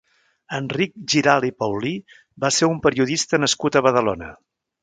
Enric Giralt i Paulí va ser un periodista nascut a Badalona.